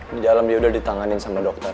di dalam dia udah ditanganin sama dokter